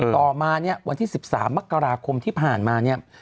ต่อมาวันที่๑๓มักกราคมที่ผ่านมา